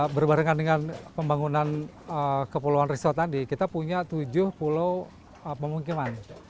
berbarengan dengan pembangunan kepulauan riset tadi kita punya tujuh pulau pemungkiman